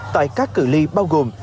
tại các cử ly bao gồm